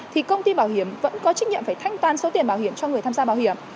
thì công ty bảo hiểm vẫn có trách nhiệm phải thanh toán số tiền bảo hiểm cho người tham gia bảo hiểm